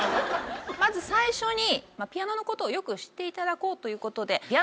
まず最初にピアノのことをよく知っていただこうということで。